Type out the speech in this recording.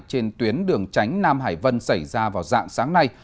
trên tuyến đường tránh nam hải vân xảy ra vào dạng sáng nay